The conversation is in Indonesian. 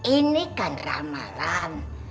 ini kan ramalan